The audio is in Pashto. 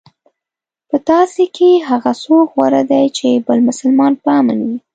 په تاسو کې هغه څوک غوره دی چې بل مسلمان په امان وي.